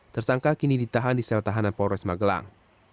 tersangka kini ditahan di sel tahanan polres magelang